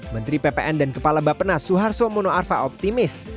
menteri ppn dan kepala bapenas suharto mono arfa optimis